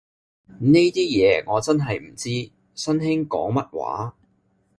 呢啲嘢我真係唔知，新興講乜話